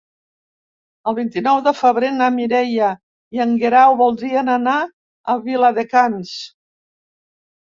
El vint-i-nou de febrer na Mireia i en Guerau voldrien anar a Viladecans.